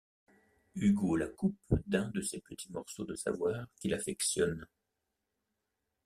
Hugo la coupe d'un de ces petits morceaux de savoir qu'il affectionne.